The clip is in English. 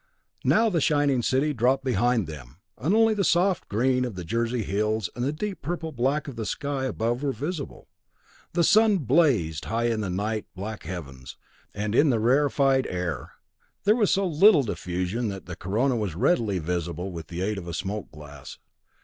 Now the shining city dropped behind them, and only the soft green of the Jersey hills, and the deep purple black of the sky above were visible. The sun blazed high in the nigh black heavens, and in the rarefied air, there was so little diffusion that the corona was readily visible with the aid of a smoked glass.